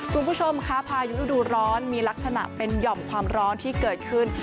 คุณผู้ชมค่ะพายุฤดูร้อนมีลักษณะเป็นหย่อมความร้อนที่เกิดขึ้น